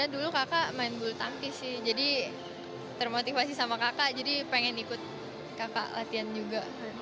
dulu kakak main bulu tangkis sih jadi termotivasi sama kakak jadi pengen ikut kakak latihan juga